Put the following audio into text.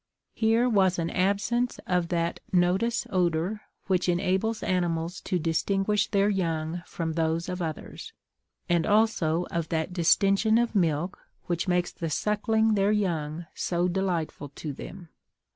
Here was an absence of that notus odor which enables animals to distinguish their young from those of others, and also of that distension of milk which makes the suckling their young so delightful to them.